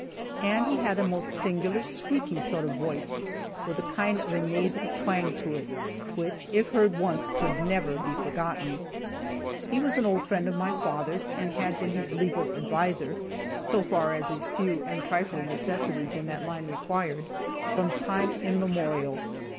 And he had a most singular, squeaky sort of a voice, with a kind of a nasal twang to it, which if heard once could never be forgotten. He was an old friend of my father's, and had been his legal adviser (so far as his few and trifling necessities in that line required) from time immemorial.